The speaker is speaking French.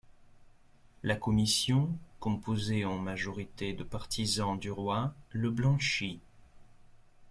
La commission, composée en majorité, de partisans du roi, le blanchit.